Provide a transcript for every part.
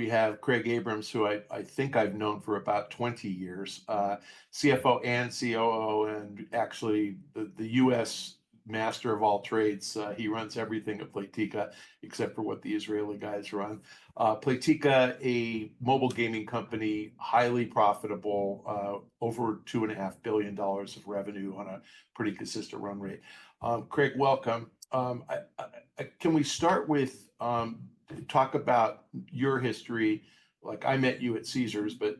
We have Craig Abrahams, who I think I've known for about 20 years, CFO and COO, and actually the U.S. Master of All Trades. He runs everything at Playtika except for what the Israeli guys run. Playtika, a mobile gaming company, highly profitable, over $2.5 billion of revenue on a pretty consistent run rate. Craig, welcome. Can we start with talk about your history? I met you at Caesars, but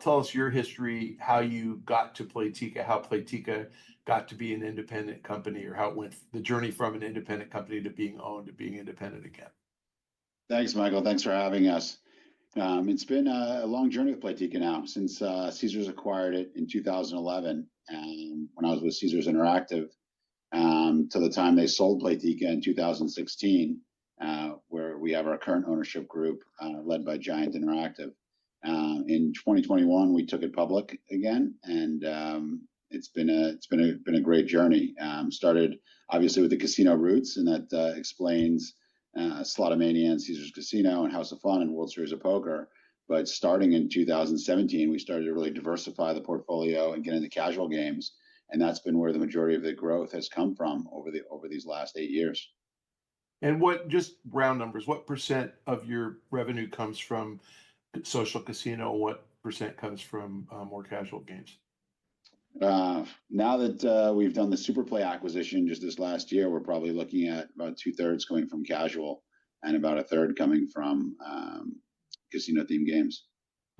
tell us your history, how you got to Playtika, how Playtika got to be an independent company, or how it went the journey from an independent company to being owned to being independent again. Thanks, Michael. Thanks for having us. It's been a long journey with Playtika now since Caesars acquired it in 2011, when I was with Caesars Interactive, to the time they sold Playtika in 2016, where we have our current ownership group led by Giant Interactive. In 2021, we took it public again, and it's been a great journey. Started, obviously, with the casino roots, and that explains Slotomania, and Caesars Casino, and House of Fun, and World Series of Poker. But starting in 2017, we started to really diversify the portfolio and get into casual games, and that's been where the majority of the growth has come from over these last eight years. Just round numbers, what percent of your revenue comes from social casino? What percent comes from more casual games? Now that we've done the SuperPlay acquisition just this last year, we're probably looking at about two-thirds coming from casual and about a third coming from casino-themed games.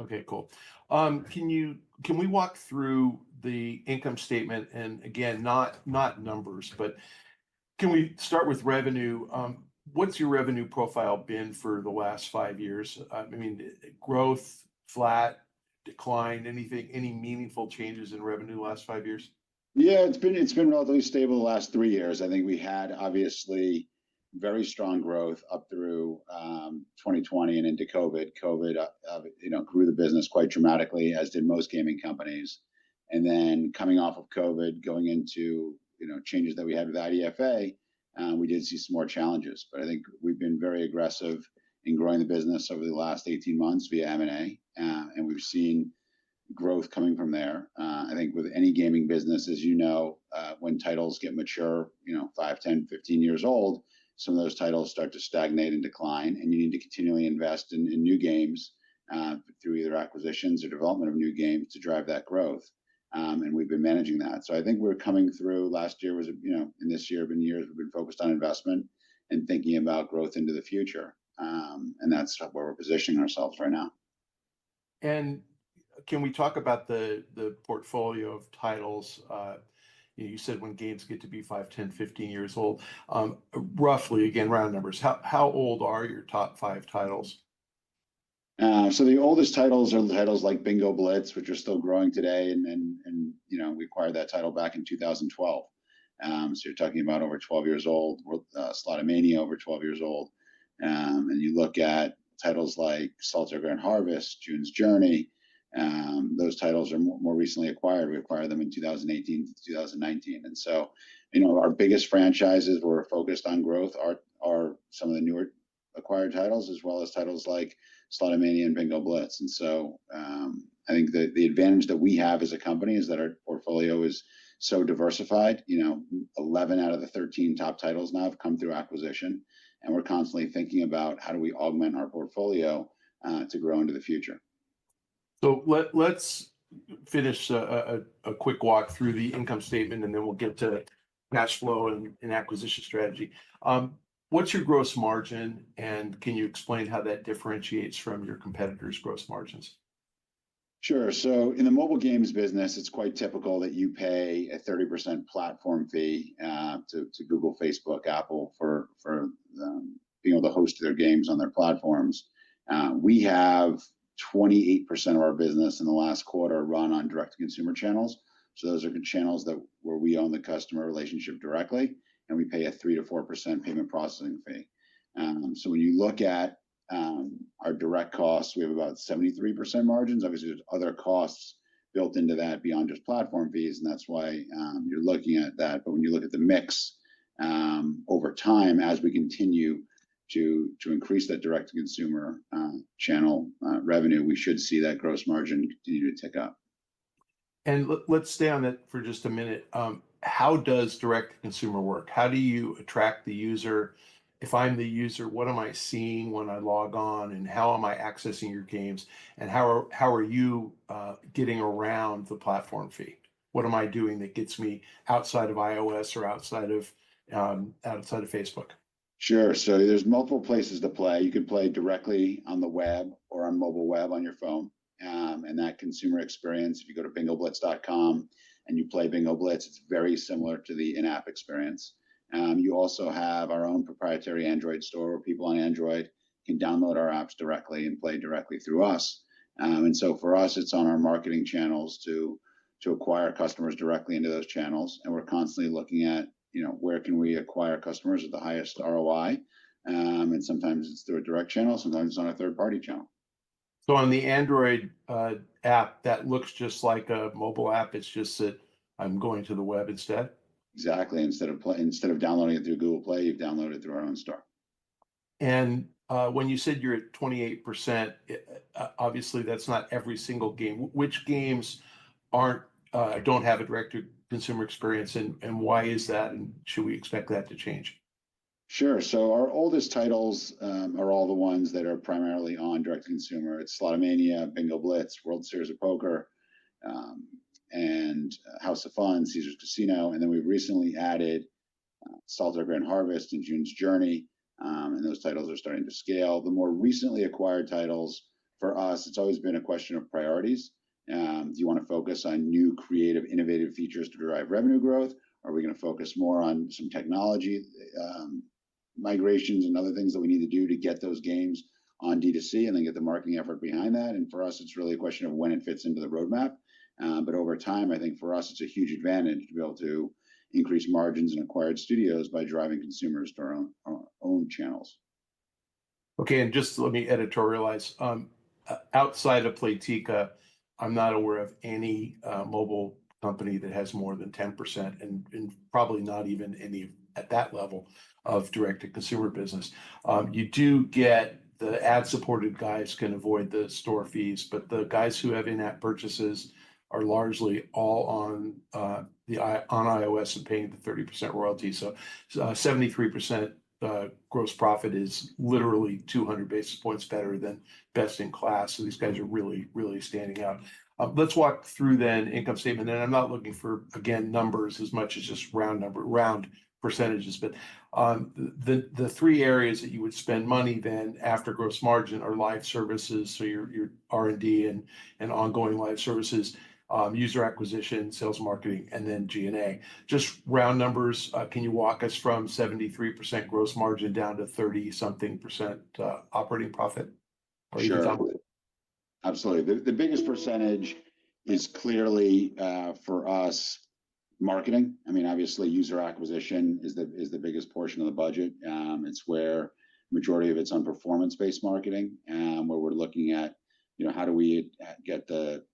Okay, cool. Can we walk through the income statement? And again, not numbers, but can we start with revenue? What's your revenue profile been for the last five years? I mean, growth, flat, declined, any meaningful changes in revenue the last five years? Yeah, it's been relatively stable the last three years. I think we had, obviously, very strong growth up through 2020 and into COVID. COVID grew the business quite dramatically, as did most gaming companies. And then coming off of COVID, going into changes that we had with IDFA, we did see some more challenges. But I think we've been very aggressive in growing the business over the last 18 months via M&A, and we've seen growth coming from there. I think with any gaming business, as you know, when titles get mature, 5, 10, 15 years old, some of those titles start to stagnate and decline, and you need to continually invest in new games through either acquisitions or development of new games to drive that growth. And we've been managing that. I think we're coming through last year and this year have been years we've been focused on investment and thinking about growth into the future. That's where we're positioning ourselves right now. Can we talk about the portfolio of titles? You said when games get to be five, 10, 15 years old, roughly, again, round numbers, how old are your top five titles? The oldest titles are the titles like Bingo Blitz, which are still growing today, and we acquired that title back in 2012. You're talking about over 12 years old, Slotomania, over 12 years old. You look at titles like Solitaire Grand Harvest, June's Journey, those titles are more recently acquired. We acquired them in 2018 to 2019. Our biggest franchises were focused on growth are some of the newer acquired titles, as well as titles like Slotomania and Bingo Blitz. I think the advantage that we have as a company is that our portfolio is so diversified. 11 out of the 13 top titles now have come through acquisition, and we're constantly thinking about how do we augment our portfolio to grow into the future. Let's finish a quick walk through the income statement, and then we'll get to cash flow and acquisition strategy. What's your gross margin, and can you explain how that differentiates from your competitors' gross margins? Sure. So in the mobile games business, it's quite typical that you pay a 30% platform fee to Google, Facebook, Apple for being able to host their games on their platforms. We have 28% of our business in the last quarter run on direct-to-consumer channels. So those are channels where we own the customer relationship directly, and we pay a 3%-4% payment processing fee. So when you look at our direct costs, we have about 73% margins. Obviously, there's other costs built into that beyond just platform fees, and that's why you're looking at that. But when you look at the mix over time, as we continue to increase that direct-to-consumer channel revenue, we should see that gross margin continue to tick up. Let's stay on that for just a minute. How does direct-to-consumer work? How do you attract the user? If I'm the user, what am I seeing when I log on, and how am I accessing your games, and how are you getting around the platform fee? What am I doing that gets me outside of iOS or outside of Facebook? Sure. So there's multiple places to play. You can play directly on the web or on mobile web on your phone. And that consumer experience, if you go to BingoBlitz.com and you play Bingo Blitz, it's very similar to the in-app experience. You also have our own proprietary Android store where people on Android can download our apps directly and play directly through us. And so for us, it's on our marketing channels to acquire customers directly into those channels. And we're constantly looking at where can we acquire customers with the highest ROI, and sometimes it's through a direct channel, sometimes it's on a third-party channel. So on the Android app, that looks just like a mobile app. It's just that I'm going to the web instead? Exactly. Instead of downloading it through Google Play, you download it through our own store. When you said you're at 28%, obviously, that's not every single game. Which games don't have a direct-to-consumer experience, and why is that, and should we expect that to change? Sure. So our oldest titles are all the ones that are primarily on direct-to-consumer. It's Slotomania, Bingo Blitz, World Series of Poker, and House of Fun, Caesars Casino. Then we've recently added Solitaire Grand Harvest and June's Journey, and those titles are starting to scale. The more recently acquired titles, for us, it's always been a question of priorities. Do you want to focus on new creative, innovative features to drive revenue growth? Are we going to focus more on some technology migrations and other things that we need to do to get those games on D2C and then get the marketing effort behind that? For us, it's really a question of when it fits into the roadmap. Over time, I think for us, it's a huge advantage to be able to increase margins in acquired studios by driving consumers to our own channels. Okay, and just let me editorialize. Outside of Playtika, I'm not aware of any mobile company that has more than 10% and probably not even any at that level of direct-to-consumer business. You do get the ad-supported guys can avoid the store fees, but the guys who have in-app purchases are largely all on iOS and paying the 30% royalty. So 73% gross profit is literally 200 basis points better than best in class. So these guys are really, really standing out. Let's walk through then income statement. And I'm not looking for, again, numbers as much as just round percentages, but the three areas that you would spend money then after gross margin are live services, so your R&D and ongoing live services, user acquisition, sales marketing, and then G&A. Just round numbers, can you walk us from 73% gross margin down to 30-something% operating profit? Sure. Absolutely. The biggest percentage is clearly, for us, marketing. I mean, obviously, user acquisition is the biggest portion of the budget. It's where the majority of it's on performance-based marketing, where we're looking at how do we get the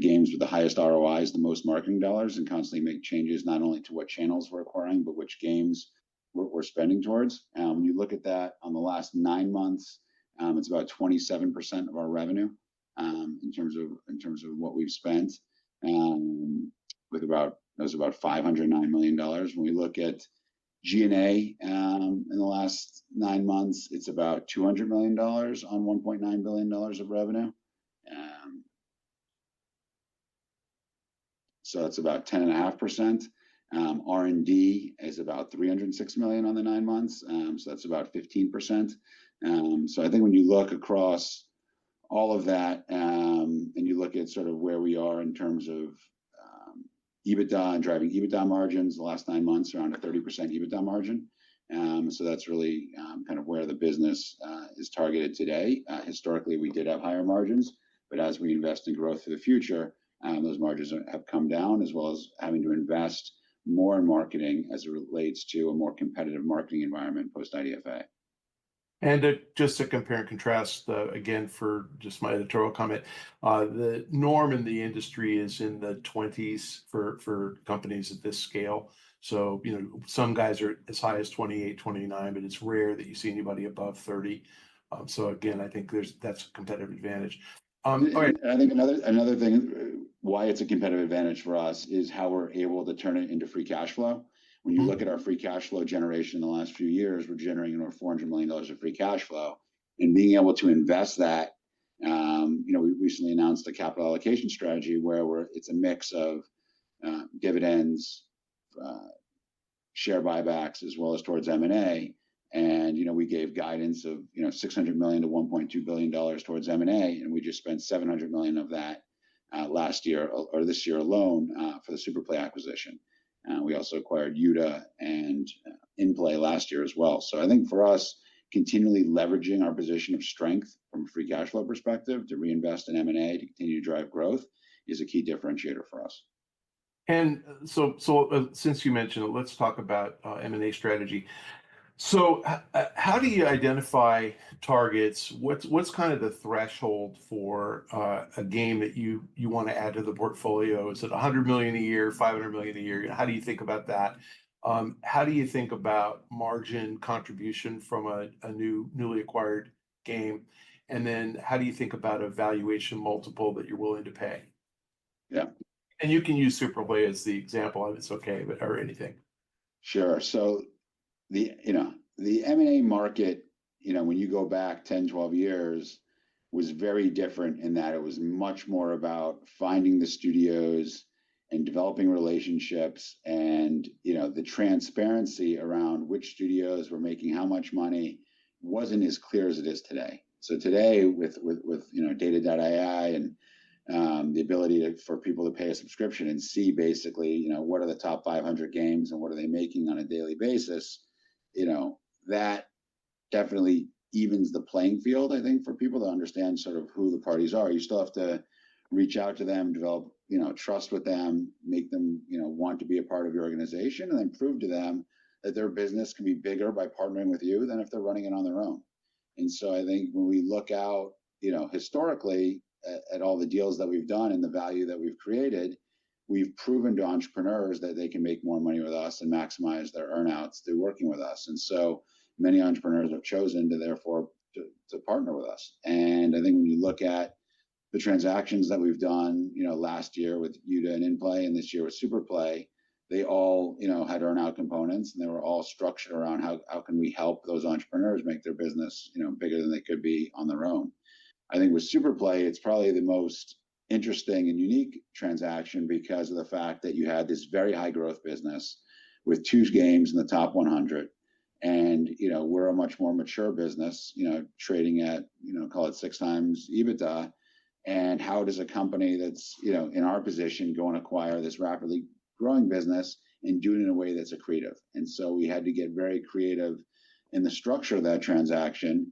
games with the highest ROIs, the most marketing dollars, and constantly make changes not only to what channels we're acquiring, but which games we're spending towards. You look at that on the last nine months, it's about 27% of our revenue in terms of what we've spent, with about $509 million. When we look at G&A in the last nine months, it's about $200 million on $1.9 billion of revenue. So that's about 10.5%. R&D is about $306 million on the nine months, so that's about 15%. I think when you look across all of that and you look at sort of where we are in terms of EBITDA and driving EBITDA margins, the last nine months are under 30% EBITDA margin. That's really kind of where the business is targeted today. Historically, we did have higher margins, but as we invest in growth for the future, those margins have come down, as well as having to invest more in marketing as it relates to a more competitive marketing environment post-IDFA. And just to compare and contrast, again, for just my editorial comment, the norm in the industry is in the 20s for companies at this scale. So some guys are as high as 28, 29, but it's rare that you see anybody above 30. So again, I think that's a competitive advantage. All right. And I think another thing why it's a competitive advantage for us is how we're able to turn it into free cash flow. When you look at our free cash flow generation in the last few years, we're generating over $400 million of free cash flow. And being able to invest that, we recently announced a capital allocation strategy where it's a mix of dividends, share buybacks, as well as towards M&A. And we gave guidance of $600 million-$1.2 billion towards M&A, and we just spent $700 million of that last year or this year alone for the SuperPlay acquisition. We also acquired Youda and Innplay last year as well. So I think for us, continually leveraging our position of strength from a free cash flow perspective to reinvest in M&A to continue to drive growth is a key differentiator for us. And so since you mentioned it, let's talk about M&A strategy. So how do you identify targets? What's kind of the threshold for a game that you want to add to the portfolio? Is it $100 million a year, $500 million a year? How do you think about that? How do you think about margin contribution from a newly acquired game? And then how do you think about a valuation multiple that you're willing to pay? Yeah. You can use SuperPlay as the example if it's okay or anything. Sure. The M&A market, when you go back 10, 12 years, was very different in that it was much more about finding the studios and developing relationships. The transparency around which studios were making how much money wasn't as clear as it is today. Today, with data.ai and the ability for people to pay a subscription and see basically what are the top 500 games and what are they making on a daily basis, that definitely evens the playing field, I think, for people to understand sort of who the parties are. You still have to reach out to them, develop trust with them, make them want to be a part of your organization, and then prove to them that their business can be bigger by partnering with you than if they're running it on their own. And so I think when we look out historically at all the deals that we've done and the value that we've created, we've proven to entrepreneurs that they can make more money with us and maximize their earnouts through working with us. And so many entrepreneurs have chosen to therefore partner with us. And I think when you look at the transactions that we've done last year with Youda and Innplay and this year with SuperPlay, they all had earnout components, and they were all structured around how can we help those entrepreneurs make their business bigger than they could be on their own. I think with SuperPlay, it's probably the most interesting and unique transaction because of the fact that you had this very high-growth business with two games in the top 100. And we're a much more mature business trading at, call it six times EBITDA. How does a company that's in our position go and acquire this rapidly growing business and do it in a way that's accretive? So we had to get very creative in the structure of that transaction,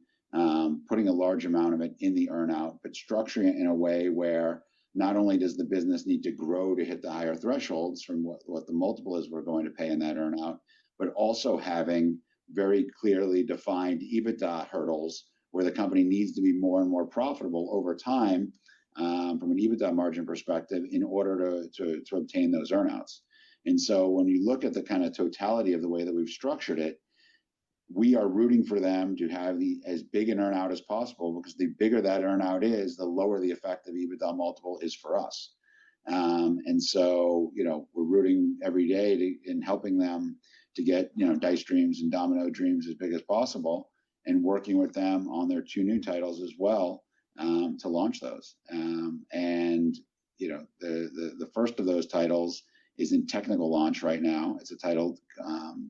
putting a large amount of it in the earnout, but structuring it in a way where not only does the business need to grow to hit the higher thresholds from what the multiple is we're going to pay in that earnout, but also having very clearly defined EBITDA hurdles where the company needs to be more and more profitable over time from an EBITDA margin perspective in order to obtain those earnouts. And so when you look at the kind of totality of the way that we've structured it, we are rooting for them to have as big an earnout as possible because the bigger that earnout is, the lower the effect of EBITDA multiple is for us. And so we're rooting every day in helping them to get Dice Dreams and Domino Dreams as big as possible and working with them on their two new titles as well to launch those. And the first of those titles is in technical launch right now. It's a title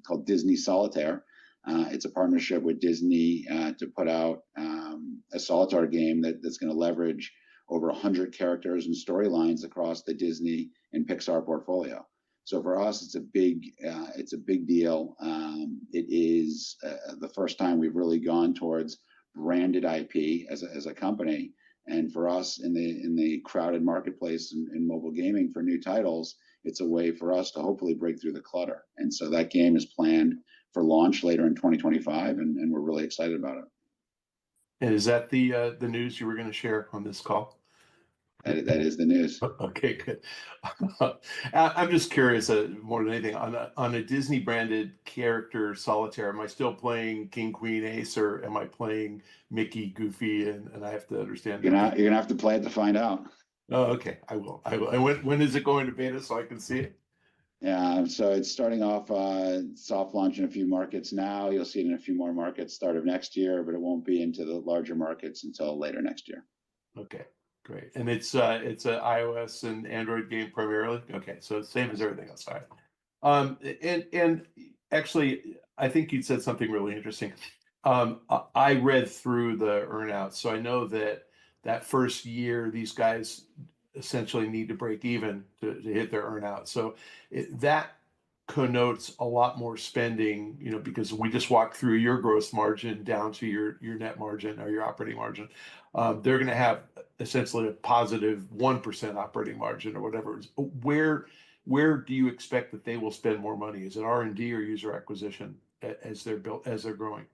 called Disney Solitaire. It's a partnership with Disney to put out a solitaire game that's going to leverage over 100 characters and storylines across the Disney and Pixar portfolio. So for us, it's a big deal. It is the first time we've really gone towards branded IP as a company. For us, in the crowded marketplace in mobile gaming for new titles, it's a way for us to hopefully break through the clutter. That game is planned for launch later in 2025, and we're really excited about it. Is that the news you were going to share on this call? That is the news. Okay, good. I'm just curious, more than anything, on a Disney-branded character solitaire, am I still playing King Queen Ace, or am I playing Mickey Goofy? And I have to understand. You're going to have to play it to find out. Oh, okay. I will. When is it going to beta so I can see it? Yeah. So it's starting off soft launch in a few markets now. You'll see it in a few more markets start of next year, but it won't be into the larger markets until later next year. Okay, great. And it's an iOS and Android game primarily? Okay. So same as everything else. All right. And actually, I think you'd said something really interesting. I read through the earnouts, so I know that that first year, these guys essentially need to break even to hit their earnouts. So that connotes a lot more spending because we just walked through your gross margin down to your net margin or your operating margin. They're going to have essentially a positive 1% operating margin or whatever. Where do you expect that they will spend more money? Is it R&D or user acquisition as they're growing?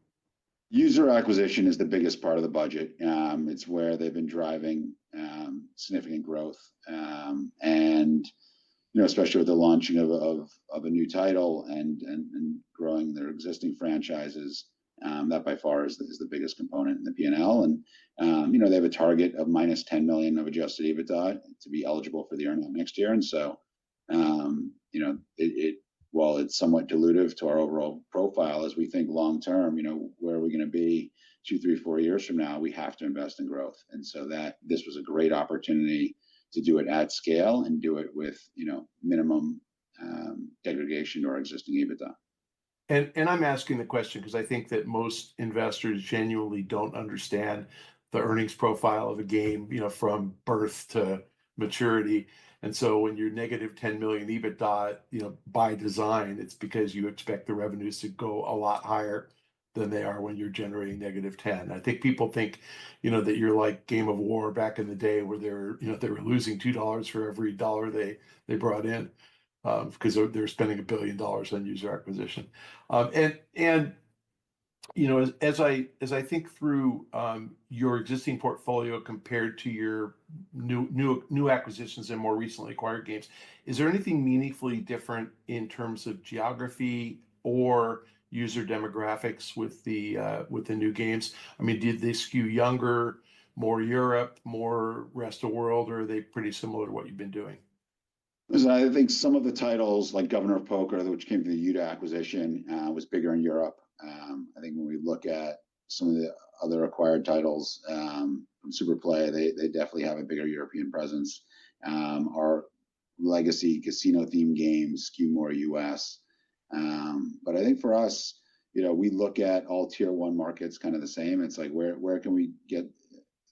User acquisition is the biggest part of the budget. It's where they've been driving significant growth. And especially with the launching of a new title and growing their existing franchises, that by far is the biggest component in the P&L. And they have a target of -$10 million of Adjusted EBITDA to be eligible for the Earnout next year. And so while it's somewhat dilutive to our overall profile, as we think long term, where are we going to be two, three, four years from now? We have to invest in growth. And so this was a great opportunity to do it at scale and do it with minimum aggregation to our existing EBITDA. I'm asking the question because I think that most investors genuinely don't understand the earnings profile of a game from birth to maturity. So when you're negative $10 million EBITDA, by design, it's because you expect the revenues to go a lot higher than they are when you're generating negative $10. I think people think that you're like Game of War back in the day where they were losing $2 for every dollar they brought in because they're spending $1 billion on user acquisition. As I think through your existing portfolio compared to your new acquisitions and more recently acquired games, is there anything meaningfully different in terms of geography or user demographics with the new games? I mean, did they skew younger, more Europe, more rest of world, or are they pretty similar to what you've been doing? I think some of the titles like Governor of Poker, which came through the Youda acquisition, was bigger in Europe. I think when we look at some of the other acquired titles from SuperPlay, they definitely have a bigger European presence. Our legacy casino-themed games skew more U.S. But I think for us, we look at all tier one markets kind of the same. It's like where can we get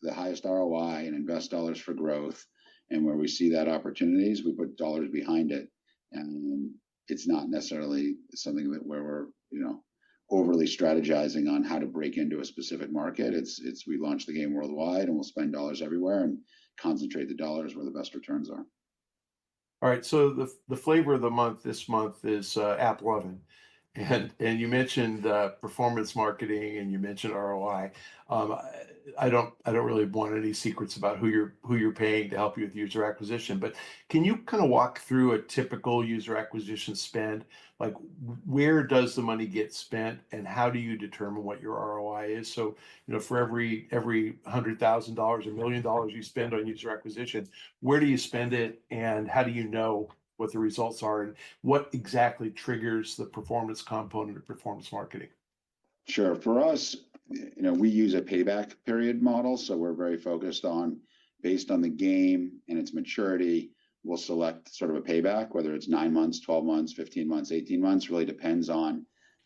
the highest ROI and invest dollars for growth? And where we see that opportunities, we put dollars behind it. And it's not necessarily something where we're overly strategizing on how to break into a specific market. We launch the game worldwide, and we'll spend dollars everywhere and concentrate the dollars where the best returns are. All right. So the flavor of the month this month is AppLovin. And you mentioned performance marketing, and you mentioned ROI. I don't really want any secrets about who you're paying to help you with user acquisition. But can you kind of walk through a typical user acquisition spend? Where does the money get spent, and how do you determine what your ROI is? So for every $100,000 or $1 million you spend on user acquisition, where do you spend it, and how do you know what the results are? And what exactly triggers the performance component of performance marketing? Sure. For us, we use a payback period model. So we're very focused on, based on the game and its maturity, we'll select sort of a payback, whether it's nine months, 12 months, 15 months, 18 months. It really depends on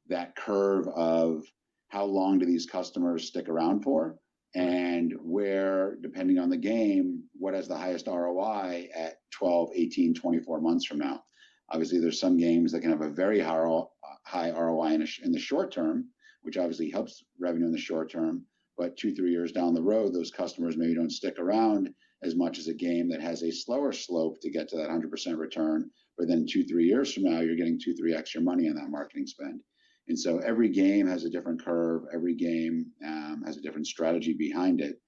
that curve of how long do these customers stick around for? And where, depending on the game, what has the highest ROI at 12, 18, 24 months from now? Obviously, there's some games that can have a very high ROI in the short term, which obviously helps revenue in the short term. But two, three years down the road, those customers maybe don't stick around as much as a game that has a slower slope to get to that 100% return. But then two, three years from now, you're getting two, three extra money on that marketing spend. And so every game has a different curve. Every game has a different strategy behind it.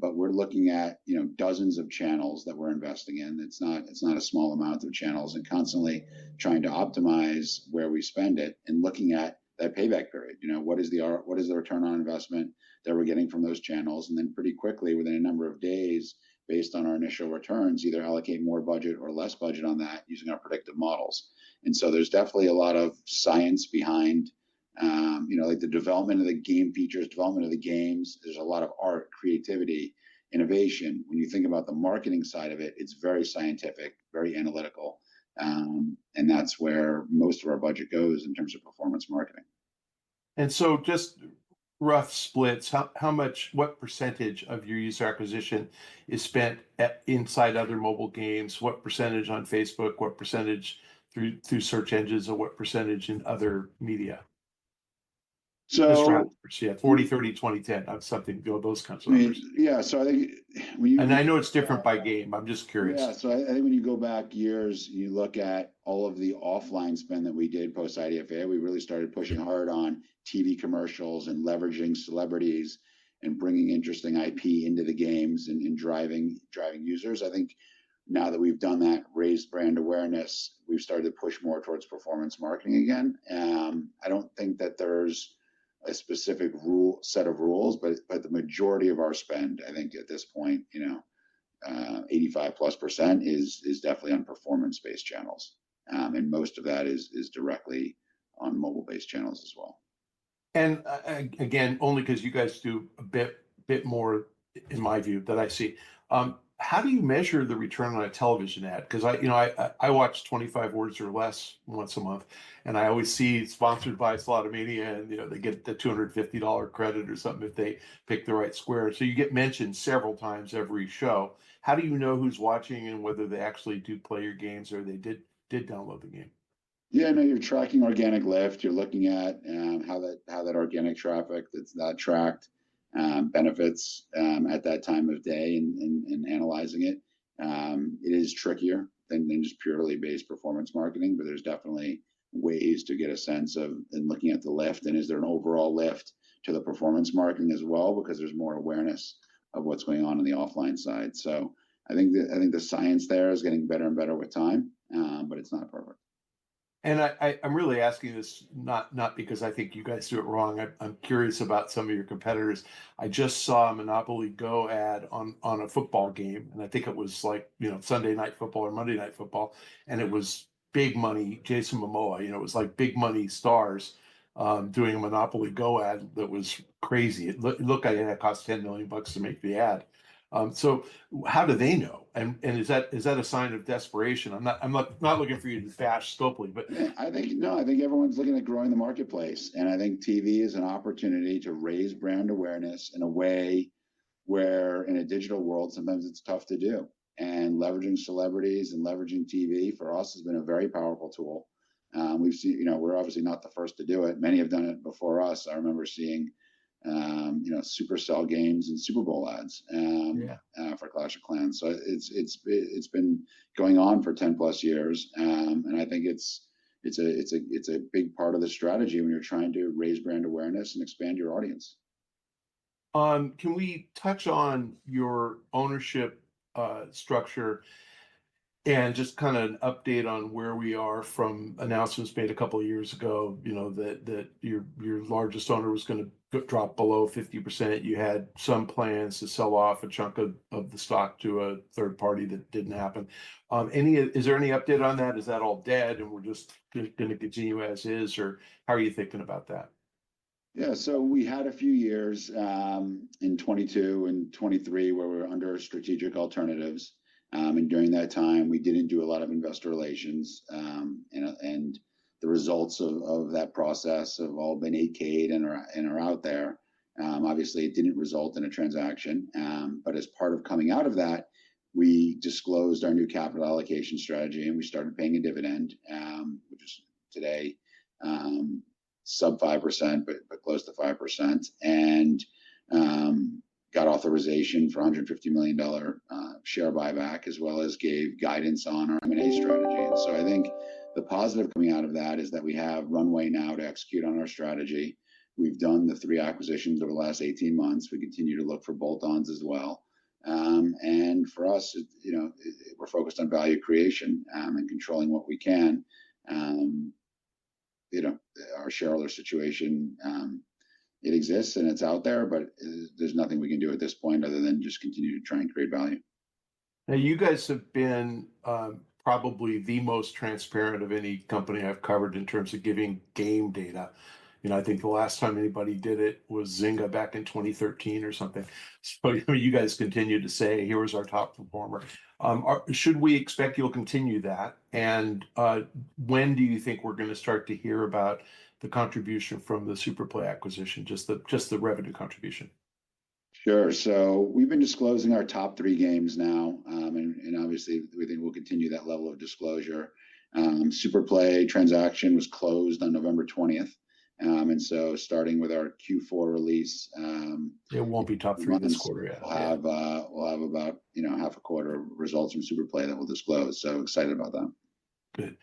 But we're looking at dozens of channels that we're investing in. It's not a small amount of channels, and constantly trying to optimize where we spend it and looking at that payback period. What is the return on investment that we're getting from those channels, and then pretty quickly, within a number of days, based on our initial returns, either allocate more budget or less budget on that using our predictive models, and so there's definitely a lot of science behind the development of the game features, development of the games. There's a lot of art, creativity, innovation. When you think about the marketing side of it, it's very scientific, very analytical, and that's where most of our budget goes in terms of performance marketing. Just rough splits, what percentage of your user acquisition is spent inside other mobile games? What percentage on Facebook? What percentage through search engines? And what percentage in other media? So. Yeah, 40, 30, 20, 10, something those kinds of things. Yeah, so I think. And I know it's different by game. I'm just curious. Yeah. So I think when you go back years, you look at all of the offline spend that we did post-IDFA. We really started pushing hard on TV commercials and leveraging celebrities and bringing interesting IP into the games and driving users. I think now that we've done that, raised brand awareness, we've started to push more towards performance marketing again. I don't think that there's a specific set of rules, but the majority of our spend, I think at this point, 85% plus is definitely on performance-based channels. And most of that is directly on mobile-based channels as well. Again, only because you guys do a bit more, in my view, than I see. How do you measure the return on a television ad? Because I watch 25 Words or Less once a month, and I always see it's sponsored by Slotomania, and they get the $250 credit or something if they pick the right square. So you get mentioned several times every show. How do you know who's watching and whether they actually do play your games or they did download the game? Yeah. I know you're tracking organic lift. You're looking at how that organic traffic that's not tracked benefits at that time of day and analyzing it. It is trickier than just purely based performance marketing, but there's definitely ways to get a sense of looking at the lift and is there an overall lift to the performance marketing as well because there's more awareness of what's going on on the offline side. So I think the science there is getting better and better with time, but it's not perfect. I'm really asking this not because I think you guys do it wrong. I'm curious about some of your competitors. I just saw a Monopoly GO! ad on a football game, and I think it was like Sunday Night Football or Monday Night Football, and it was big money, Jason Momoa. It was like big money stars doing a Monopoly GO! ad that was crazy. Look at it. It costs $10 million to make the ad. So how do they know? And is that a sign of desperation? I'm not looking for you to bash Scopely, but. I think, no, I think everyone's looking at growing the marketplace. And I think TV is an opportunity to raise brand awareness in a way where in a digital world, sometimes it's tough to do. And leveraging celebrities and leveraging TV for us has been a very powerful tool. We're obviously not the first to do it. Many have done it before us. I remember seeing Supercell games and Super Bowl ads for Clash of Clans. So it's been going on for 10 plus years. And I think it's a big part of the strategy when you're trying to raise brand awareness and expand your audience. Can we touch on your ownership structure and just kind of an update on where we are from announcements made a couple of years ago that your largest owner was going to drop below 50%? You had some plans to sell off a chunk of the stock to a third party. That didn't happen. Is there any update on that? Is that all dead and we're just going to continue as is, or how are you thinking about that? Yeah. So we had a few years in 2022 and 2023 where we were under strategic alternatives. And during that time, we didn't do a lot of investor relations. And the results of that process have all been 8-K'd and are out there. Obviously, it didn't result in a transaction. But as part of coming out of that, we disclosed our new capital allocation strategy, and we started paying a dividend, which is today sub 5%, but close to 5%, and got authorization for $150 million share buyback, as well as gave guidance on our M&A strategy. And so I think the positive coming out of that is that we have runway now to execute on our strategy. We've done the three acquisitions over the last 18 months. We continue to look for bolt-ons as well. And for us, we're focused on value creation and controlling what we can. Our shareholder situation, it exists and it's out there, but there's nothing we can do at this point other than just continue to try and create value. Now, you guys have been probably the most transparent of any company I've covered in terms of giving game data. I think the last time anybody did it was Zynga back in 2013 or something. So you guys continue to say, "Here is our top performer." Should we expect you'll continue that? And when do you think we're going to start to hear about the contribution from the SuperPlay acquisition, just the revenue contribution? Sure. So we've been disclosing our top three games now, and obviously, we think we'll continue that level of disclosure. SuperPlay transaction was closed on November 20th. And so starting with our Q4 release. It won't be top three this quarter yet. We'll have about half a quarter of results from SuperPlay that we'll disclose. So excited about that. Good.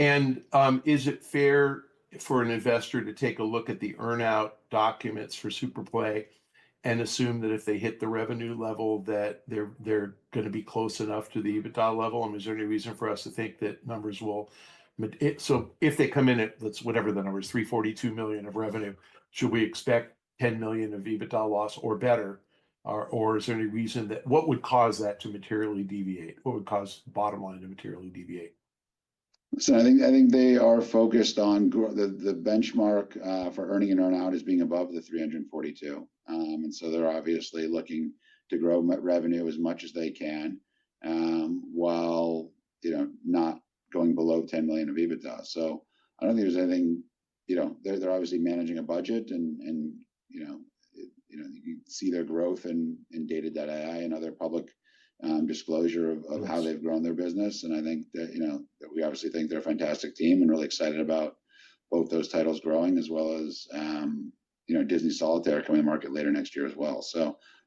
And is it fair for an investor to take a look at the earnout documents for SuperPlay and assume that if they hit the revenue level that they're going to be close enough to the EBITDA level? I mean, is there any reason for us to think that numbers will? So if they come in at, whatever the number is, $342 million of revenue, should we expect $10 million of EBITDA loss or better? Or is there any reason that what would cause that to materially deviate? What would cause bottom line to materially deviate? I think they are focused on the benchmark for earnings and earnout being above the $342. They're obviously looking to grow revenue as much as they can while not going below $10 million of EBITDA. I don't think there's anything. They're obviously managing a budget, and you see their growth in data.ai and other public disclosure of how they've grown their business. I think that we obviously think they're a fantastic team and really excited about both those titles growing as well as Disney Solitaire coming to market later next year as well.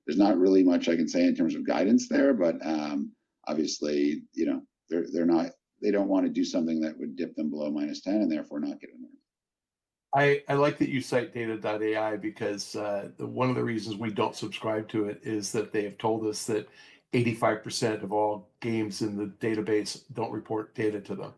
There's not really much I can say in terms of guidance there, but obviously, they don't want to do something that would dip them below minus $10 and therefore not get in there. I like that you cite data.ai because one of the reasons we don't subscribe to it is that they have told us that 85% of all games in the database don't report data to them,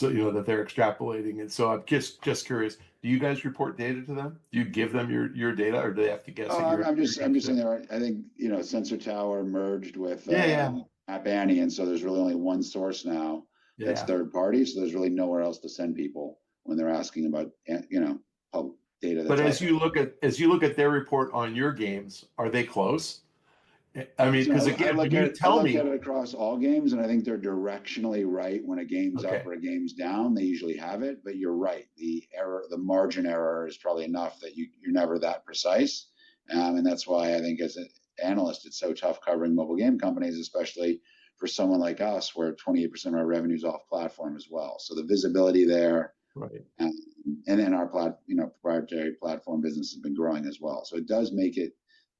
that they're extrapolating, and so I'm just curious, do you guys report data to them? Do you give them your data, or do they have to guess? I'm just saying that I think Sensor Tower merged with App Annie, and so there's really only one source now that's third party. So there's really nowhere else to send people when they're asking about public data. But as you look at their report on your games, are they close? I mean, because again, you tell me. I've got it across all games, and I think they're directionally right when a game's up or a game's down. They usually have it, but you're right. The margin error is probably enough that you're never that precise. And that's why I think as an analyst, it's so tough covering mobile game companies, especially for someone like us where 28% of our revenue is off platform as well. So the visibility there, and our proprietary platform business has been growing as well. So it does make it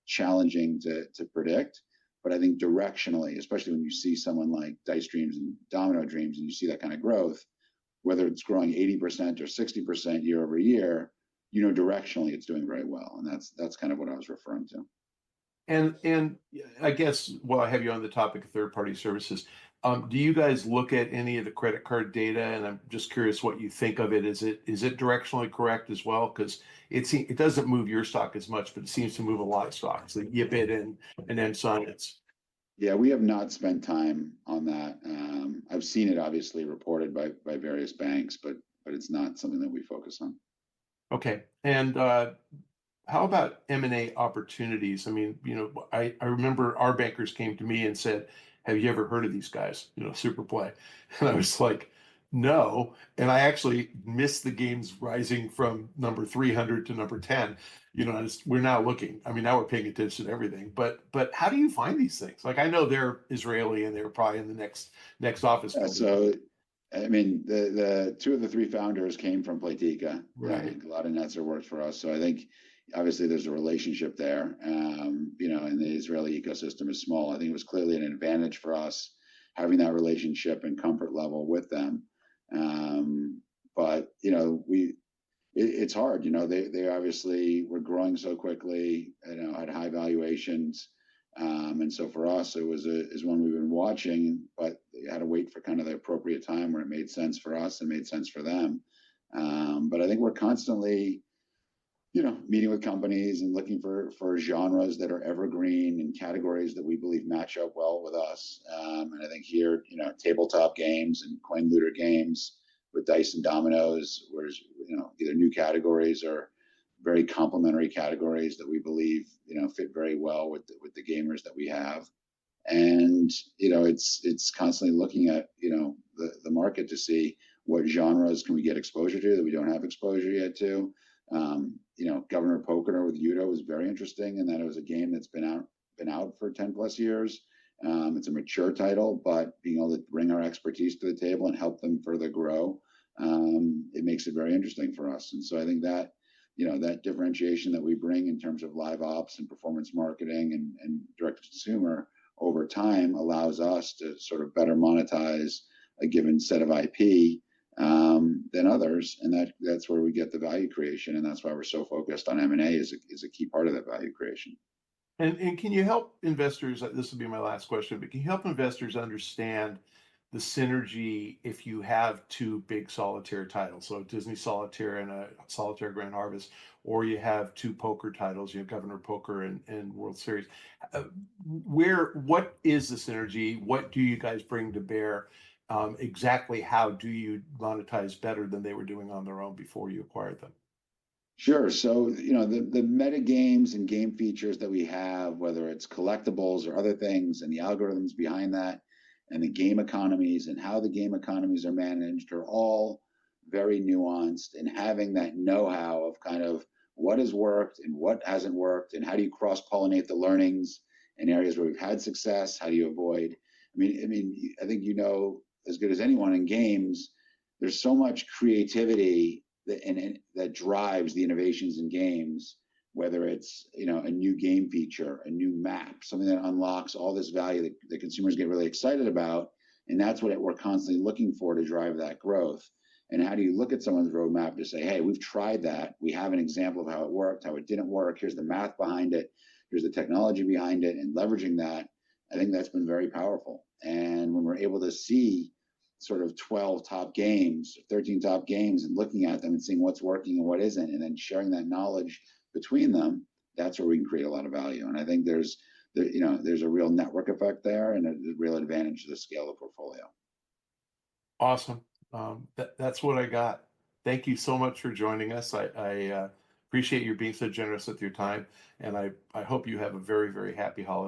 challenging to predict, but I think directionally, especially when you see someone like Dice Dreams and Domino Dreams, and you see that kind of growth, whether it's growing 80% or 60% year-over-year, directionally, it's doing very well. And that's kind of what I was referring to. And I guess, while I have you on the topic of third-party services, do you guys look at any of the credit card data? And I'm just curious what you think of it. Is it directionally correct as well? Because it doesn't move your stock as much, but it seems to move a lot of stocks, the YipitData and M Science. Yeah, we have not spent time on that. I've seen it obviously reported by various banks, but it's not something that we focus on. Okay. And how about M&A opportunities? I mean, I remember our bankers came to me and said, "Have you ever heard of these guys, SuperPlay?" And I was like, "No." And I actually missed the games rising from number 300 to number 10. We're now looking. I mean, now we're paying attention to everything. But how do you find these things? I know they're Israeli and they're probably in the next office building. So I mean, two of the three founders came from Playtika. Gilad and Netzer worked for us. So I think obviously there's a relationship there, and the Israeli ecosystem is small. I think it was clearly an advantage for us having that relationship and comfort level with them. But it's hard. They obviously were growing so quickly, had high valuations. And so for us, it was one we've been watching, but you had to wait for kind of the appropriate time where it made sense for us and made sense for them. But I think we're constantly meeting with companies and looking for genres that are evergreen and categories that we believe match up well with us. And I think here, tabletop games and coin looter games with dice and dominoes were either new categories or very complementary categories that we believe fit very well with the gamers that we have. It's constantly looking at the market to see what genres can we get exposure to that we don't have exposure yet to. Governor of Poker with Youda was very interesting in that it was a game that's been out for 10 plus years. It's a mature title, but being able to bring our expertise to the table and help them further grow, it makes it very interesting for us. I think that differentiation that we bring in terms of live ops and performance marketing and direct to consumer over time allows us to sort of better monetize a given set of IP than others. And that's where we get the value creation. And that's why we're so focused on M&A is a key part of that value creation. Can you help investors? This will be my last question, but can you help investors understand the synergy if you have two big solitaire titles? So Disney Solitaire and Solitaire Grand Harvest, or you have two poker titles, you have Governor of Poker and World Series of Poker. What is the synergy? What do you guys bring to bear? Exactly how do you monetize better than they were doing on their own before you acquired them? Sure. So the meta games and game features that we have, whether it's collectibles or other things, and the algorithms behind that, and the game economies, and how the game economies are managed are all very nuanced. And having that know-how of kind of what has worked and what hasn't worked, and how do you cross-pollinate the learnings in areas where we've had success, how do you avoid? I mean, I think you know as good as anyone in games, there's so much creativity that drives the innovations in games, whether it's a new game feature, a new map, something that unlocks all this value that consumers get really excited about. And that's what we're constantly looking for to drive that growth. And how do you look at someone's roadmap to say, "Hey, we've tried that. We have an example of how it worked, how it didn't work. Here's the math behind it. Here's the technology behind it," and leveraging that, I think that's been very powerful, and when we're able to see sort of 12 top games, 13 top games, and looking at them and seeing what's working and what isn't, and then sharing that knowledge between them, that's where we can create a lot of value, and I think there's a real network effect there and a real advantage to the scale of portfolio. Awesome. That's what I got. Thank you so much for joining us. I appreciate you being so generous with your time, and I hope you have a very, very happy holiday.